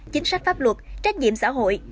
chính sách pháp luật trách nhiệm xã hội